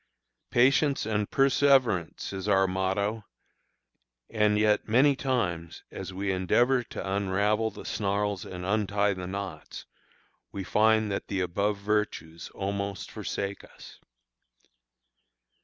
"Patience and perseverance" is our motto; and yet many times, as we endeavor to unravel the snarls and untie the knots, we find that the above virtues almost forsake us.